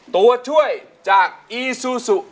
ตัวช่วยจากอีซูซู